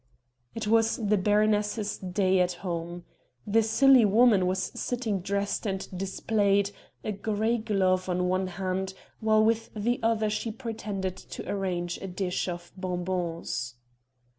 It was the baroness's day at home. The silly woman was sitting dressed and displayed a grey glove on one hand, while with the other she pretended to arrange a dish of bonbons.